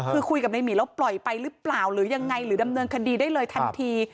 คือคุยกับในหมีแล้วปล่อยไปหรือเปล่าหรือยังไงหรือดำเนินคดีได้เลยทันที